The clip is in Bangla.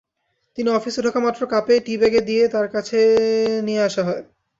তিনি অফিসে ঢোকামাত্র কাপে টী-ব্যাগ দিয়ে তাঁর কাছে নিয়ে আসা হয়।